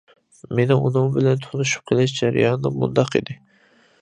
مېنىڭ ئۇنىڭ بىلەن تونۇشۇپ قېلىش جەريانىم مۇنداق ئىدى.